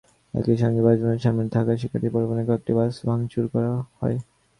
একই সঙ্গে বাসভবনের সামনে থাকা শিক্ষার্থী পরিবহনের কয়েকটি বাস ভাঙচুর করা হয়।